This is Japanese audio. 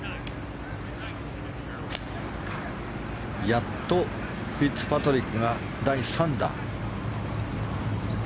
やっとフィッツパトリックが第３打。